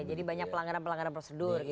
jadi banyak pelanggaran pelanggaran prosedur gitu